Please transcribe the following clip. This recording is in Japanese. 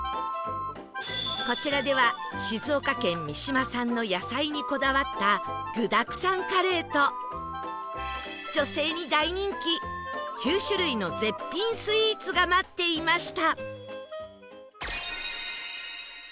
こちらでは静岡県三島産の野菜にこだわった具だくさんカレーと女性に大人気９種類の絶品スイーツが待っていました